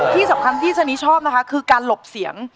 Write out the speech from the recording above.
ที่สำคัญที่สนิชอบนะคะคือการหลบเสียง